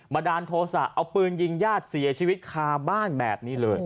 ดาลโทษะเอาปืนยิงญาติเสียชีวิตคาบ้านแบบนี้เลย